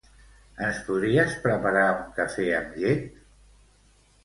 Ens podries preparar un cafè amb llet?